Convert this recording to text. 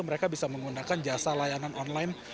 mereka bisa menggunakan jasa layanan online